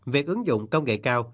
việc ứng dụng công nghệ cao